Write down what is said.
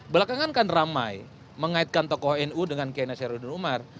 belakangan kan ramai mengaitkan tokoh nu dengan kiana seru dan umar